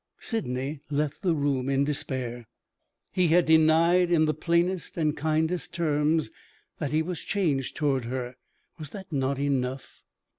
Sydney left the room in despair. He had denied in the plainest and kindest terms that he was changed toward her. Was that not enough?